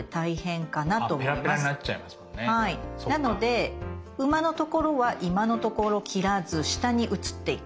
なので馬のところは今のところ切らず下に移っていく。